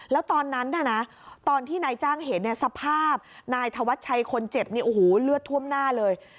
แล้วตอนนั้นตอนที่นายจ้างเห็นสภาพนายธวัชชัยคนเจ็บนี่โอ้โหเลือดท่วมหน้าเลย